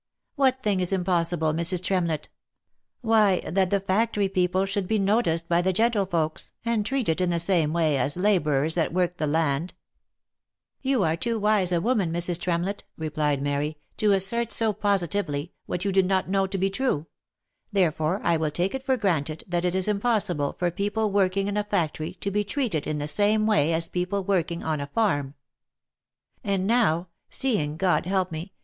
" What thing is impossible, Mrs. Tremlett?" " Why that the factory people should be noticed by the gentle* folks, and treated in the same way as labourers that work the land." 96 THE LIFE AND ADVENTURES M You are too wise a woman, Mrs. Tremlett," replied Mary, " to assert so positively, what you did not know to be true ; therefore I will take it for granted, that it is impossible for people working in a factory to be treated in the same way as people working on a farm. And now, seeing, God help me